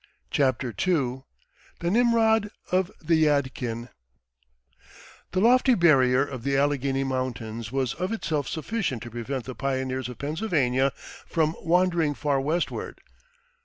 CHAPTER II THE NIMROD OF THE YADKIN The lofty barrier of the Alleghany Mountains was of itself sufficient to prevent the pioneers of Pennsylvania from wandering far westward.